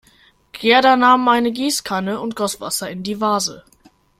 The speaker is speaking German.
Gerda nahm eine Gießkanne und goss Wasser in die Vase.